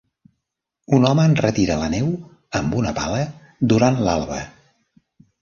Un home enretira la neu amb una pala durant l'alba.